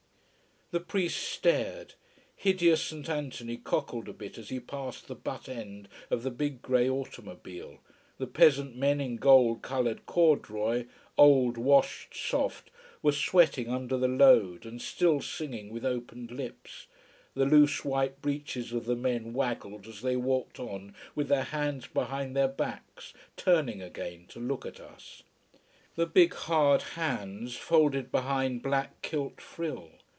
The priest stared, hideous St. Anthony cockled a bit as he passed the butt end of the big grey automobile, the peasant men in gold coloured corduroy, old, washed soft, were sweating under the load and still singing with opened lips, the loose white breeches of the men waggled as they walked on with their hands behind their backs, turning again, to look at us. The big, hard hands, folded behind black kilt frill!